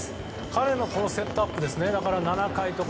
彼はセットアップですね。